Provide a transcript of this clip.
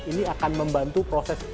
ini akan membantu proses